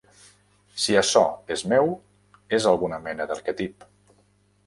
Si açò és meu, és alguna mena d'arquetip.